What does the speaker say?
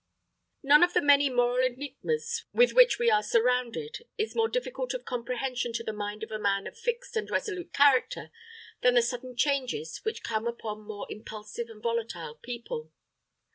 None of the many moral enigmas with which we are surrounded is more difficult of comprehension to the mind of a man of fixed and resolute character than the sudden changes which come upon more impulsive and volatile people.